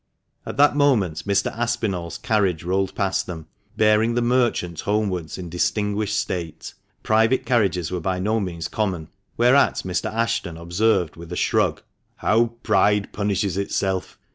'" At that moment Mr. Aspinall's carriage rolled past them, bearing the merchant homewards in distinguished state (private carriages were by no means common), whereat Mr. Ashton observed with a shrug, "How pride punishes itself!